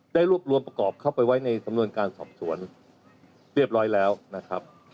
ได้รวบรวมประกอบเข้าไปไว้ในสำนวนการสอบสวนเรียบร้อยแล้วนะครับ